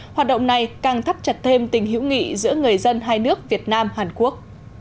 hoạt động này càng thắt chặt thêm tình hữu nghị giữa người dân hai nước việt nam hàn quốc